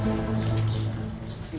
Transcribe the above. jatuh api klubain bumdes yang berbunya